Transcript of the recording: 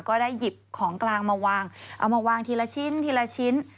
ก็ได้หยิบของกลางมาวางเอามาวางทีละชิ้นทีละชิ้น